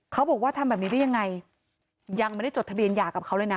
เขาบอกว่าทำแบบนี้ได้ยังไงยังไม่ได้จดทะเบียนหย่ากับเขาเลยนะ